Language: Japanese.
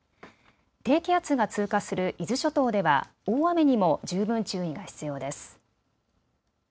低気圧が通過する伊豆諸島では大雨にも十分注意が必要です。